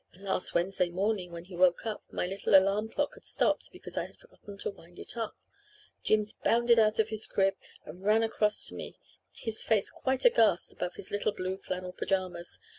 And last Wednesday morning, when he woke up, my little alarm clock had stopped because I had forgotten to wind it up. Jims bounded out of his crib and ran across to me, his face quite aghast above his little blue flannel pyjamas.